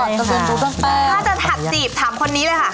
ถ้าจะถัดจีบถามคนนี้เลยค่ะ